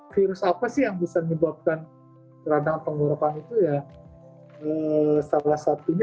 virus apa sih yang bisa menyebabkan radang tenggorokan itu ya salah satunya